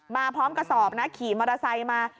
มาพร้อมกระสอบนะขี่มอเตอร์ไซค์มา